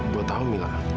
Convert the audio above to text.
buat tahu mila